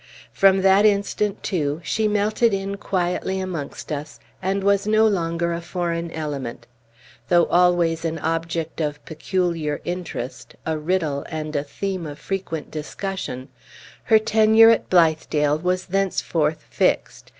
From that instant, too, she melted in quietly amongst us, and was no longer a foreign element. Though always an object of peculiar interest, a riddle, and a theme of frequent discussion, her tenure at Blithedale was thenceforth fixed.